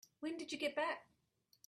When did you get back?